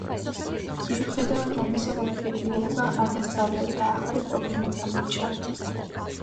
მიუხედავად ამისა, მათ ბედნიერება არ დასცალდათ და ახალი პრობლემა წამოიჭრა.